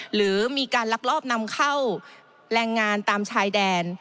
หรือมีการลักลอบนำเข้าแรงงานตามชายแดน